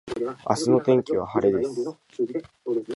明日の天気は晴れです。